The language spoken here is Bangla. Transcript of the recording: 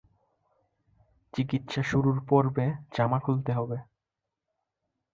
চিকিৎসা শুরুর পর্বে জামা খুলতে হবে।